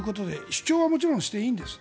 主張はもちろんしていいんです。